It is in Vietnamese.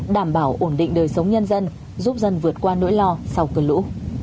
đảm bảo ổn định đời sống nhân dân giúp dân vượt qua nỗi lo sau cơn lũ